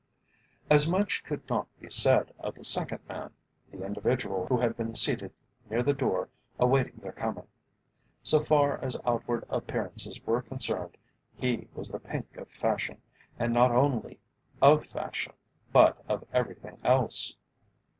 As much could not be said of the second man, the individual who had been seated near the door awaiting their coming. So far as outward appearances were concerned he was the pink of fashion, and not only of fashion, but of everything else.